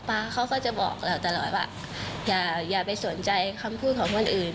เขาก็จะบอกเราตลอดว่าอย่าไปสนใจคำพูดของคนอื่น